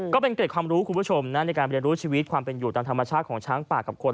เกร็ดความรู้คุณผู้ชมนะในการเรียนรู้ชีวิตความเป็นอยู่ตามธรรมชาติของช้างป่ากับคน